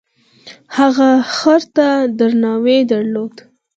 هغه خر ته درناوی درلود.